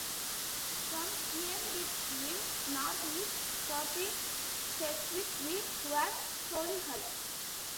From here it winds north east, skirting Cheswick Green, towards Solihull.